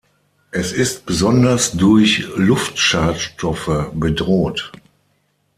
Es ist besonders durch Luftschadstoffe bedroht.